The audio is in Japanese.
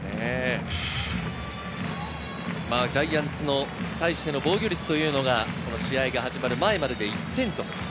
ジャイアンツに対しての防御率というのが試合が始まる前までで１点。